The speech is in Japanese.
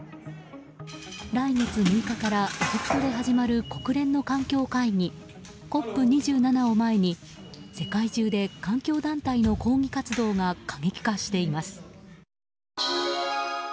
来月６日からエジプトで始まる国連の環境会議ＣＯＰ２７を前に世界中で環境団体の抗議活動が過激化しています。